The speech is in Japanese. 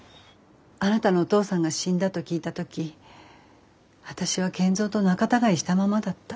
あなたのお父さんが死んだと聞いた時私は賢三と仲たがいしたままだった。